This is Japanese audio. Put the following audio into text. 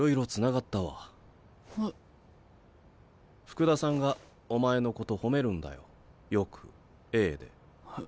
福田さんがお前のこと褒めるんだよよくＡで。え？